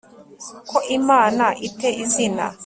ko Imana i te izina